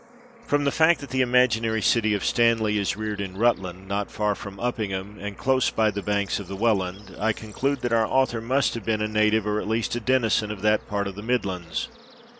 From the fact that the imaginary city of Stanley is reared in Rutland, not far from Uppingham, and close by the banks of the Welland, I conclude that our author must have been a native, or at least a denizen, of that part of the Midlands.